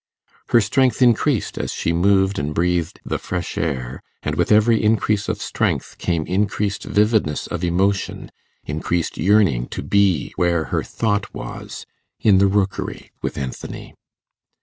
Her strength increased as she moved and breathed the fresh air, and with every increase of strength came increased vividness of emotion, increased yearning to be where her thought was in the Rookery with Anthony.